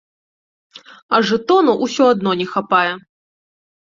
А жэтонаў усё адно не хапае.